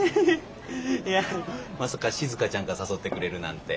いやまさかしずかちゃんが誘ってくれるなんて。